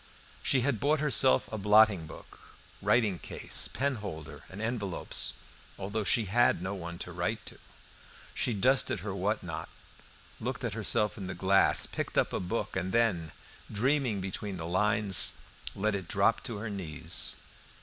She had bought herself a blotting book, writing case, pen holder, and envelopes, although she had no one to write to; she dusted her what not, looked at herself in the glass, picked up a book, and then, dreaming between the lines, let it drop on her knees.